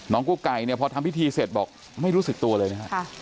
กู้ไก่เนี่ยพอทำพิธีเสร็จบอกไม่รู้สึกตัวเลยนะฮะ